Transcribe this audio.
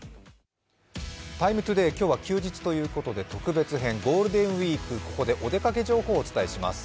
「ＴＩＭＥ，ＴＯＤＡＹ」今日は特別ということでお出かけ編、ゴールデンウイーク、ここでお出かけ情報をお伝えします。